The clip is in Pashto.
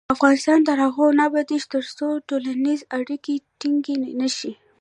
افغانستان تر هغو نه ابادیږي، ترڅو ټولنیزې اړیکې ټینګې نشي.